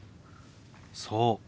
そう。